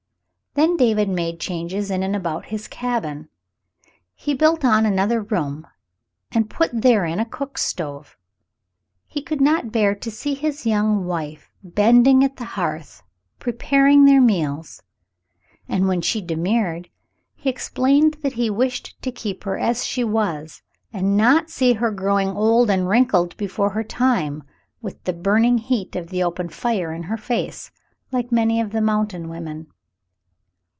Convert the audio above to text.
Then David made changes in and about his cabin. He built on another room and put therein a cook stove. He could not bear to see his young wife bending at the hearth preparing their meals, and when she demurred, he explained that he wished to keep her as she was and not see her growing old and wrinkled before her time, with the burning heat of the open fire in her face, like many of the mountain women.